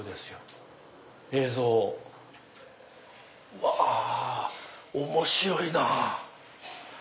うわ面白いな！